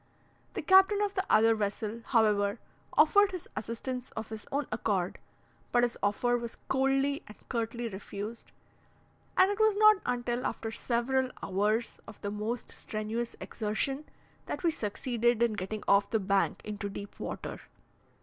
The captain of the other vessel, however, offered his assistance of his own accord but his offer was coldly and curtly refused, and it was not until after several hours of the most strenuous exertion that we succeeded in getting off the bank into deep water.